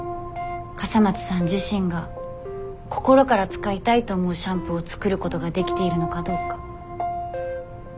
笠松さん自身が心から使いたいと思うシャンプーを作ることができているのかどうか。